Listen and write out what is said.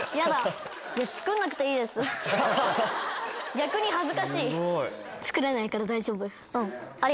逆に恥ずかしい。